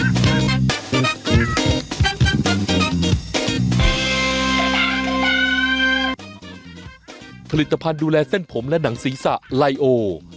ผลิตภัณฑ์ดูแลเส้นผมและหนังศีรษะไลโอ